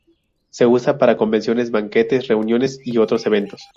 Se usa para convenciones, banquetes, reuniones y otros eventos.